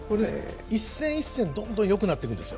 一戦一戦どんどんよくなっていくんですよ。